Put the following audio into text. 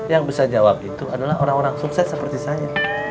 yang bisa jawab itu adalah orang orang sukses seperti saya